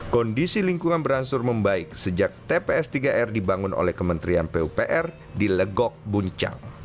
kondisi lingkungan berangsur membaik sejak tps tiga r dibangun oleh kementerian pupr di legok buncang